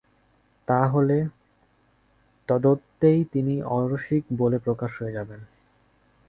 তা হলে তদ্দণ্ডেই তিনি অরসিক বলে প্রকাশ হয়ে যাবেন।